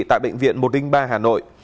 tại bệnh viện một ba hà nội